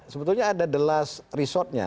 sebetulnya ada the last resortnya